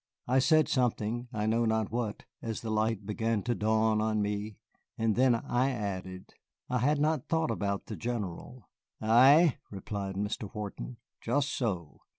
I said something, I know not what, as the light began to dawn on me. And then I added, "I had not thought about the General." "Ah," replied Mr. Wharton, "just so.